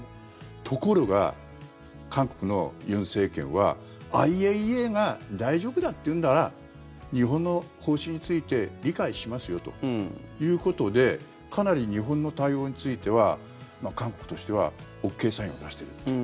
ところが、韓国の尹政権はＩＡＥＡが大丈夫だって言うなら日本の方針について理解しますよということでかなり日本の対応については韓国としてはＯＫサインを出していると。